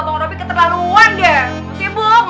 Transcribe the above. abang robby keterlaluan deh